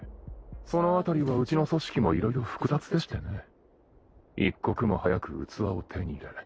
その辺りはうちの組織も色々複雑でしてね一刻も早く器を手に入れ